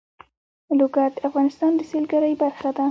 لوگر د افغانستان د سیلګرۍ برخه ده.